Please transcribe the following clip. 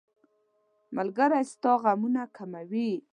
ملګری ستا غمونه کموي.